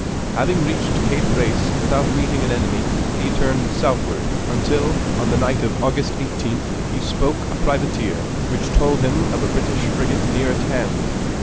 Having reached Cape Race without meeting an enemy, he turned southward, until on the night of August 18th he spoke a privateer, which told him of a British frigate near at hand.